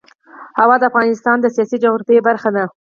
هوا د افغانستان د سیاسي جغرافیه برخه ده.